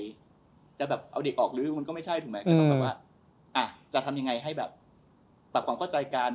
ก็ไม่ใช่ถูกไหมแต่สำหรับว่าจะทำยังไงให้ปรับความเข้าใจการ